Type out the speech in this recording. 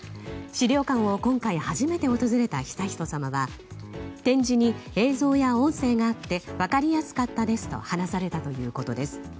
資料館を今回、初めて訪れた悠仁さまは展示に映像や音声があって分かりやすかったですと話されたということです。